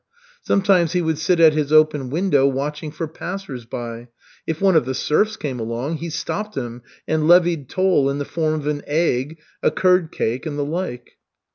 Sometimes he would sit at his open window watching for passers by. If one of the serfs came along, he stopped him and levied toll in the form of an egg, a curd cake, and the like.